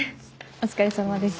お疲れさまです。